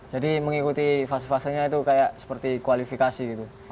mengikuti fase fasenya itu kayak seperti kualifikasi gitu